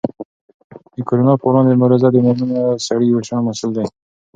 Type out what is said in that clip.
د کرونا په وړاندې مبارزه کې مېرمنې او سړي یو شان مسؤل دي.